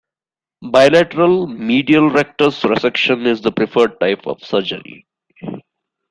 Bilateral medial rectus resection is the preferred type of surgery.